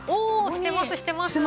してますしてます。